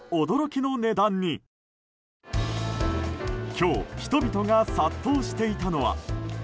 今日人々が殺到していたのは。